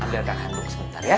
biarkan kakak duk sebentar ya